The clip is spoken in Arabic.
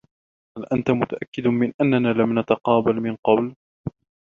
هل أنت متأكّد من أننا لم نتقابل من قبل ؟